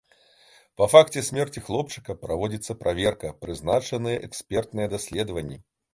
Па факце смерці хлопчыка праводзіцца праверка, прызначаныя экспертныя даследаванні.